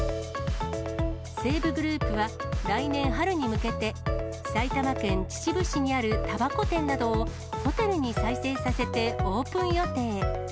西武グループは、来年春に向けて、埼玉県秩父市にあるたばこ店などをホテルに再生させてオープン予定。